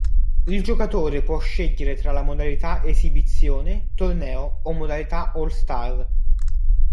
Il giocatore può scegliere tra la modalità esibizione, torneo o modalità all-star.